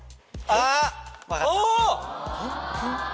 あっ！